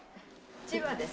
千葉です。